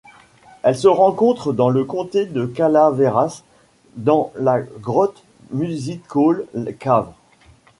Elle se rencontre dans le comté de Calaveras dans la grotte Music Hall Cave.